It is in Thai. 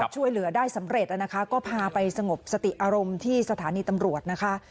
ช่วยเหลือได้สำเร็จนะคะก็พาไปสงบสติอารมณ์ที่สถานีตำรวจนะคะ